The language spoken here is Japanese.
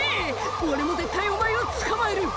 俺も絶対お前を捕まえる」